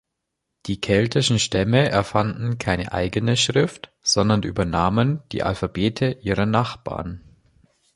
Die keltischen Stämme erfanden keine eigene Schrift, sondern übernahmen die Alphabete ihrer Nachbarn.